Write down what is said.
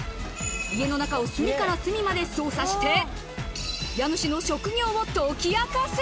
家の中を隅から隅まで捜査して、家主の職業を解き明かす。